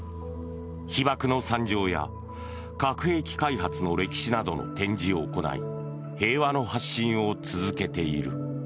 被爆の惨状や核兵器開発の歴史などの展示を行い平和の発信を続けている。